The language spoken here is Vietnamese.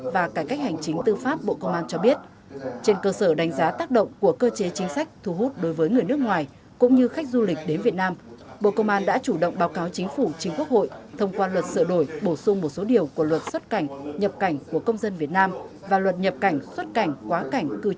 tại cách hành chính chuyển đổi số của thành phố có nhiều chuyển biến tích cực